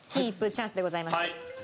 チャンスでございます。